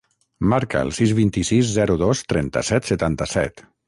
Marca el sis, vint-i-sis, zero, dos, trenta-set, setanta-set.